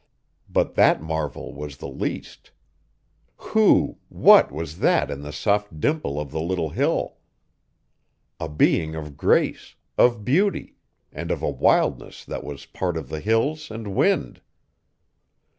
But that marvel was the least. Who, what was that in the soft dimple of the little hill? A being of grace, of beauty, and of a wildness that was part of the Hills and wind!